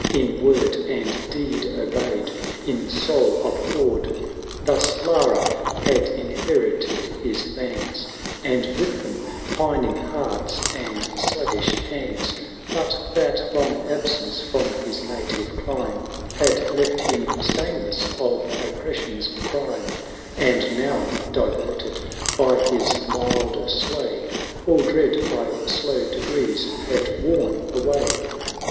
In word and deed obeyed, in soul ab horred. Thus Lara had inherited his lands. 404 LARA [Canto ii. And with them pining hearts and slug gish hands; But that long absence from his native clime Had left him stainless of Oppression's crime, And now, diverted by his milder sway All dread by slow degrees had worn away.